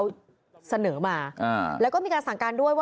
พตรพูดถึงเรื่องนี้ยังไงลองฟังกันหน่อยค่ะ